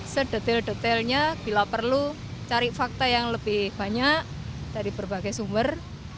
sedetil detailnya bila perlu cari fakta yang lebih banyak dari berbagai sumber